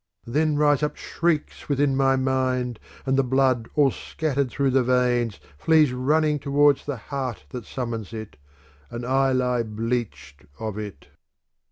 Then rise up shrieks within my mind, and the blood all scattered through the veins flees running towards the heart that summons it, and I lie bleached of it.